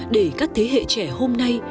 để các thế hệ trẻ hôm nay